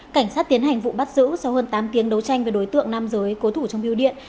cảnh sát tiến hành vụ bắt giữ sau hơn tám tiếng đấu tranh về đối tượng nam giới cố thủ trong biêu điện